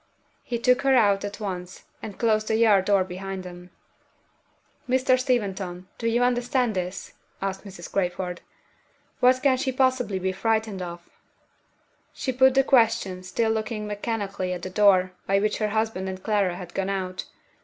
He took her out at once, and closed the yard door behind them. "Mr. Steventon, do you understand this?" asked Mrs. Crayford. "What can she possibly be frightened of?" She put the question, still looking mechanically at the door by which her husband and Clara had gone out.